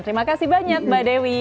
terima kasih banyak mbak dewi